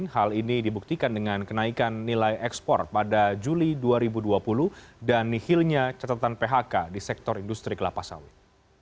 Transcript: hal ini dibuktikan dengan kenaikan nilai ekspor pada juli dua ribu dua puluh dan nihilnya catatan phk di sektor industri kelapa sawit